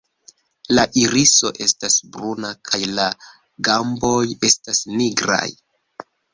La iriso estas bruna kaj la gamboj estas nigraj.